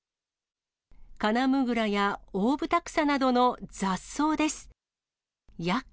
カナムグラやオオブタクサなどの雑草です。